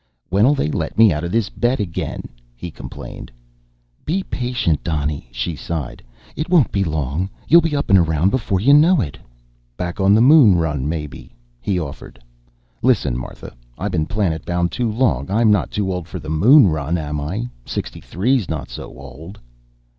"When'll they let me out of this bed again?" he complained. "Be patient, Donny," she sighed. "It won't be long. You'll be up and around before you know it." "Back on the moon run, maybe?" he offered. "Listen, Martha, I been planet bound too long. I'm not too old for the moon run, am I? Sixty three's not so old."